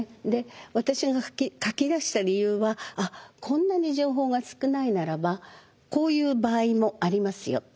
で私が書き出した理由はあっこんなに情報が少ないならばこういう場合もありますよ。